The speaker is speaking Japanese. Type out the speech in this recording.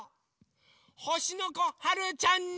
ほしのこはるちゃんに。